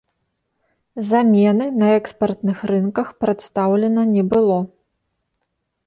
Замены на экспартных рынках прадстаўлена не было.